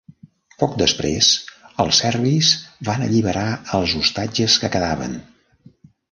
Poc després, els serbis van alliberar els ostatges que quedaven.